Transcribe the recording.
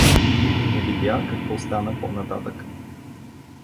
Никой не видя какво стана по-нататък.